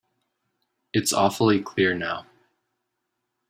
It's awfully clear now.